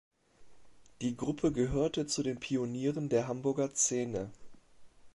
Die Gruppe gehörte zu den Pionieren der Hamburger Szene.